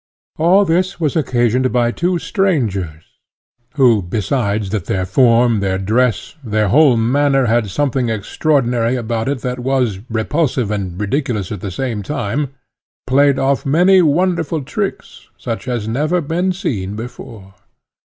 All this was occasioned by two strangers, who, besides that their form, their dress, their whole manner had something extraordinary about it, that was repulsive and ridiculous at the same time, played off many wonderful tricks, such as had never been seen before.